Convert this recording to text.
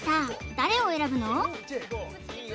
誰を選ぶの？